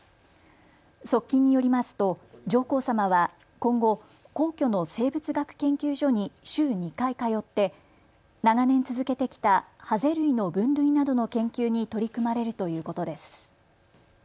側近によりますと上皇さまは今後、皇居の生物学研究所に週２回通って長年続けてきたハゼ類の分類などの研究に取り組まれるということです。